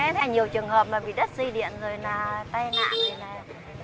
nhiều trường hợp là bị đất dây điện rồi là tai nạn cháy người rồi có khi không chạy được ra